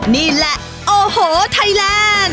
นี่แหละโอ้โหไทยแลนด์